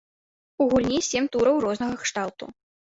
У гульні сем тураў рознага кшталту.